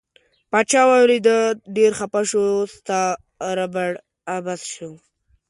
پاچا واوریده ډیر خپه شو ستا ربړ عبث شو.